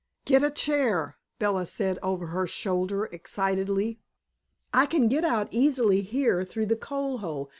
"Get a chair," Bella said over her shoulder, excitedly. "I can get out easily here, through the coal hole.